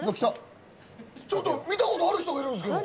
ちょっと見たことある人がいるんですけど。